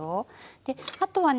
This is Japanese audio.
であとはね